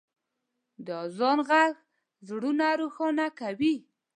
د اذان ږغ زړونه روښانه کوي.